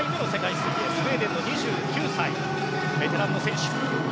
水泳スウェーデンの２９歳ベテランの選手。